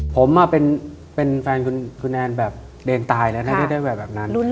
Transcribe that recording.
ผมเป็นแฟนคุณแอนแบบเดนตายแล้วนะที่ได้แบบนั้น